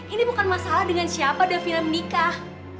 ini bukan masalah dengan siapa davina menikah